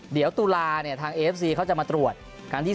เดี๋ยวตุลาเนี่ยทางเอเมอร์เนี่ยเขาจะมาตรวจกลางที่๓